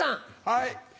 はい。